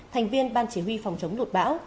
thành viên ban chỉ huy phòng chống lụt bão